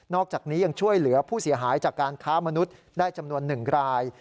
อกจากนี้ยังช่วยเหลือผู้เสียหายจากการค้ามนุษย์ได้จำนวน๑ราย